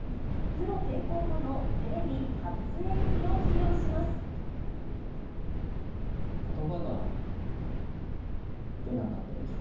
プロ転向後のテレビ初演技を披露します。